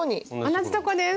同じとこです。